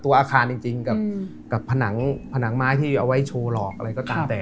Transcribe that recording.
ตัวอาคารจริงกับผนังผนังไม้ที่เอาไว้โชว์หลอกอะไรก็ตามแต่